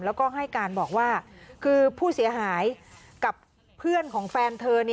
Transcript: แล้วก็ให้การบอกว่าคือผู้เสียหายกับเพื่อนของแฟนเธอ